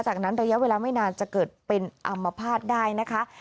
จากนั้นระยะเวลาไม่นานจะเกิดเป็นอัมพาตได้นะคะ